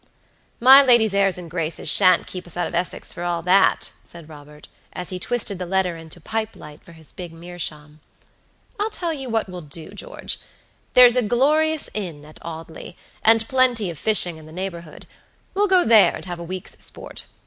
"My lady's airs and graces shan't keep us out of Essex for all that," said Robert, as he twisted the letter into a pipe light for his big meerschaum. "I'll tell you what we'll do, George: there's a glorious inn at Audley, and plenty of fishing in the neighborhood; we'll go there and have a week's sport.